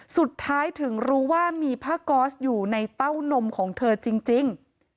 สุดท้ายถึงรู้ว่ามีผ้าก๊อสอยู่ในเต้านมของเธอจริง